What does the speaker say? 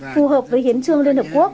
phù hợp với hiến trương liên hợp quốc